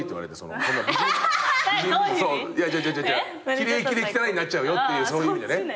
奇麗奇麗汚いになっちゃうよっていうそういう意味でね。